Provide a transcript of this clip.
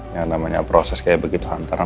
yang namanya proses kayak begitu antara